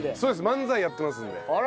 漫才やってますんで。